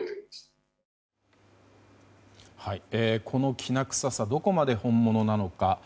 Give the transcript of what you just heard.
このきな臭さどこまで本物なのか。